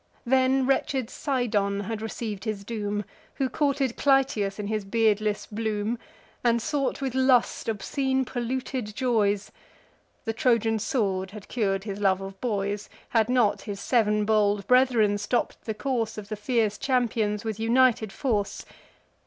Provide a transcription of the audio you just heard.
Then wretched Cydon had receiv'd his doom, Who courted Clytius in his beardless bloom, And sought with lust obscene polluted joys: The Trojan sword had curd his love of boys, Had not his sev'n bold brethren stopp'd the course Of the fierce champions, with united force.